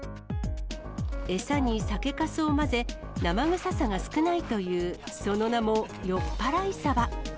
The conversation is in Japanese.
餌に酒かすを混ぜ、生臭さが少ないというその名も、よっぱらいサバ。